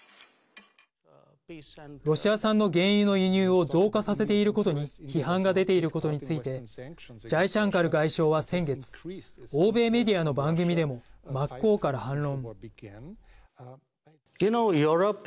ロシア産の原油の輸入を増加させていることに批判が出ていることについてジャイシャンカル外相は、先月欧米メディアの番組でも真っ向から反論。